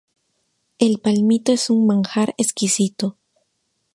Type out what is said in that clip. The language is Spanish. El palmito es un manjar exquisito.